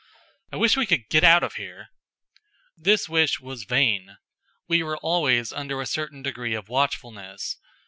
I wish we could get out of here!" This wish was vain. We were always under a certain degree of watchfulness.